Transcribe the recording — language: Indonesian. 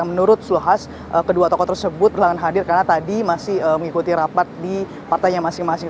menurut zulkifhas kedua tokoh tersebut berlawanan hadir karena tadi masih mengikuti rapat di partainya masing masing